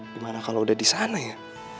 gimana kalau udah disana ya